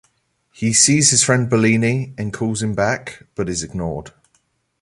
He sees his friend Berlini and calls him back but is ignored.